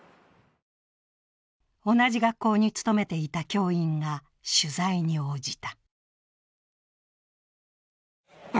同じ学校に勤めていた教員が取材に応じた。